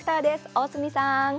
大隅さん。